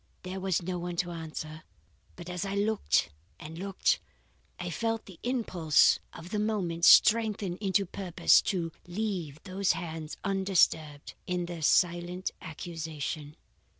There was no one to answer; but as I looked and looked, I felt the impulse of the moment strengthen into purpose to leave those hands undisturbed in their silent accusation.